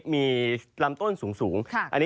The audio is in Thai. มีลำต้นสูง